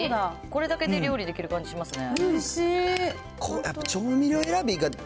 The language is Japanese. これだけで料理できる感じしますね。